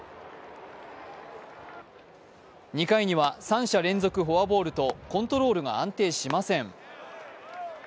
２回には３者連続フォアボールとコントロールが安定しません。